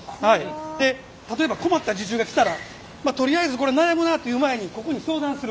で例えば困った受注が来たらとりあえずこれ悩むなという前にここに相談する。